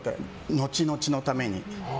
後々のためにって。